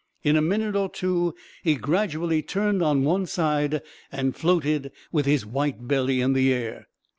In a minute or two he gradually turned on one side, and floated, with his white belly in the air.